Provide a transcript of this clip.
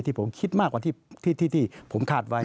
ที่ผมคิดมากกว่าที่ผมคาดไว้